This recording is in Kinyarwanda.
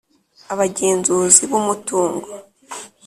Abagenzuzi b umutungo